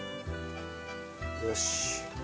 よし。